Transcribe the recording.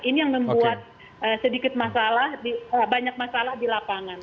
ini yang membuat sedikit masalah banyak masalah di lapangan